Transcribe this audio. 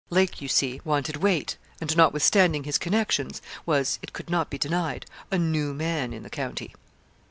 Lake, you see, wanted weight, and, nothwithstanding his connections, was, it could not be denied, a new man in the county.